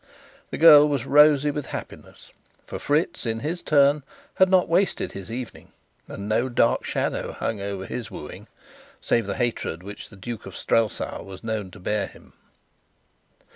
The girl was rosy with happiness, for Fritz, in his turn, had not wasted his evening, and no dark shadow hung over his wooing, save the hatred which the Duke of Strelsau was known to bear him.